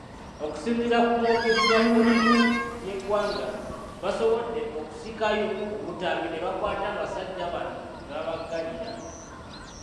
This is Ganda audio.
Okusinziira kumwogezi wa poliisi y'eggwanga, baasobodde okusikayo obutambi ne bakwata abasajja bano ne baggalirwa.